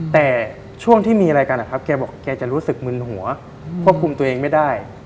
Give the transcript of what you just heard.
แต่ช่วงที่มีอะไรกันนะครับแกบอกแกจะรู้สึกมึนหัวควบคุมตัวเองไม่ได้